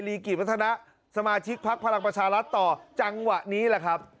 รีกีฯพภาษณสมาชิกภักดิ์พลังประชารัฐต่อจังหวะนี้ล่ะครับ